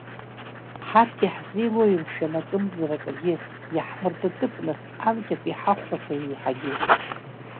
Ҳарҭ иаҳзеилои, мшәан, акымзара акагьы, иаҳмыртытып нас, анкьатәи ҳахәрақәа еиҳагьы…